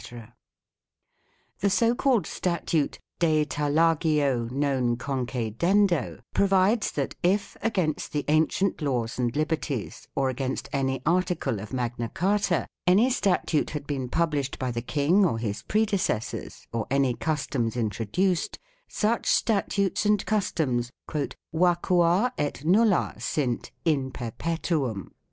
5 The so called statute " De Tallagio non Concedendo " provides that if, against the ancient laws and liberties or against any article of Magna Carta, any statute had been published by the King or his predecessors, or any customs introduced, such statutes and customs "vacua et nulla sint in perpetuum